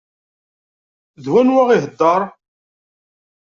D wanwa ihedder?